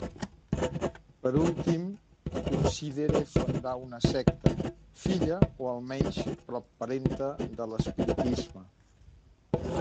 Per últim, considere fundar una secta, filla o almenys propparenta de l'espiritisme.